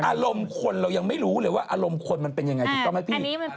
อารมณ์คนเรายังไม่รู้เลยว่าอารมณ์คนมันเป็นยังไงถูกต้องไหมพี่